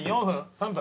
３分？